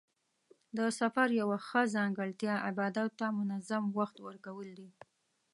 د سفر یوه ښه ځانګړتیا عباداتو ته منظم وخت ورکول دي.